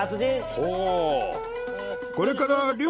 ほう。